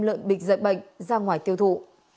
lợn bị dịch bệnh ra ngoài tiêu thụ